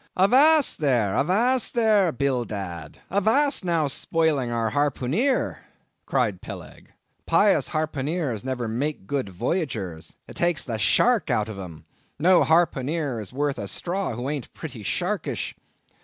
"Avast there, avast there, Bildad, avast now spoiling our harpooneer," cried Peleg. "Pious harpooneers never make good voyagers—it takes the shark out of 'em; no harpooneer is worth a straw who aint pretty sharkish.